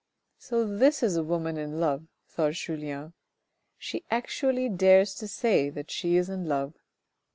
"So this is a woman in love," thought Julien. "She actually dares to say that she is in love.